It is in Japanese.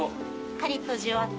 カリッとじゅわっと。